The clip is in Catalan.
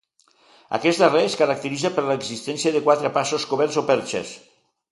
Aquest carrer es caracteritza per l'existència de quatre passos coberts o perxes.